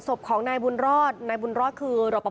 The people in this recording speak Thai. ก็แสดงความเสียใจด้วยจริงกับครอบครัวนะคะ